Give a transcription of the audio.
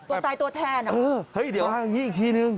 ตัวตายตัวแทนอะ